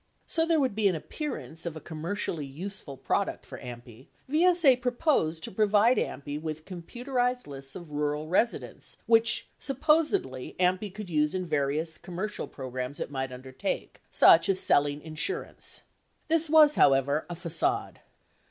So there would be an appearance of a commercially useful product for AMPI, VSA proposed to provide AMPI with computerized lists of rural resi dents which supposedly AMPI could use in various commercial pro grams it might undertake, such as selling insurance. This was, however, a facade.